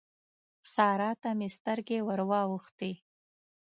سارا ته مې سترګې ور واوښتې.